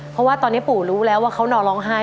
เพราะว่าตอนนี้ปู่รู้แล้วว่าเขานอนร้องไห้